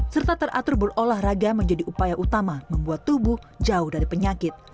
serta teratur berolahraga menjadi upaya utama membuat tubuh jauh dari penyakit